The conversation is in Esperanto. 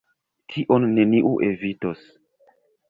Tion neniu evitos.